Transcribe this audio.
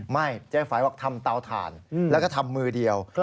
เจ๊ฝัยบอกทำเตาถ่านแล้วก็ทำมือเดียว